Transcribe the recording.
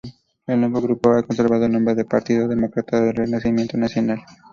El nuevo grupo ha conservado el nombre del Partido Demócrata del Renacimiento Nacional.